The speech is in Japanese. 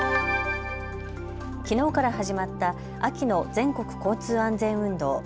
きのうから始まった秋の全国交通安全運動。